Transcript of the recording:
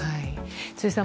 辻さん